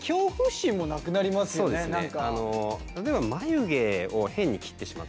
そうですね。